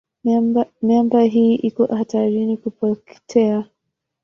Miamba hii iko hatarini kupotea.